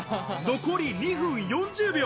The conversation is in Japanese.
残り２分４０秒。